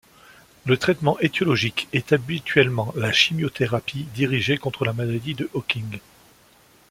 Le traitement étiologique est habituellement la chimiothérapie dirigée contre la maladie de Hodgkin.